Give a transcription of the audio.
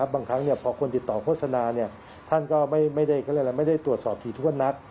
บางครั้งพอคนติดต่อโฆษณาท่านไม่ได้ตรวจสอบฐีท่วนนัก